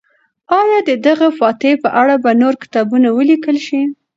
آیا د دغه فاتح په اړه به نور کتابونه ولیکل شي؟